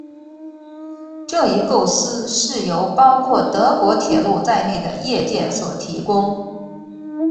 这一构思是由包括德国铁路在内的业界所提供。